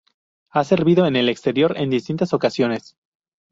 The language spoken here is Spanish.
Ha servido en el exterior en distintas ocasiones.